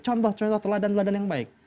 contoh contoh teladan teladan yang baik